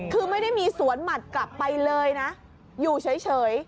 คือไม่ได้มีสวนหมัดกลับไปเลยนะอยู่เฉย